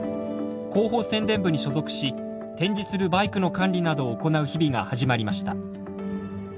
広報宣伝部に所属し展示するバイクの管理などを行う日々が始まりました。